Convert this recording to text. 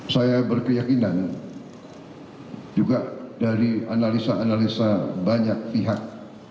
saya berkeyakinan juga dari analisa analisa banyak pihak